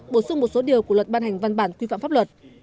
bổ sung một số điều của luật ban hành văn bản quy phạm pháp luật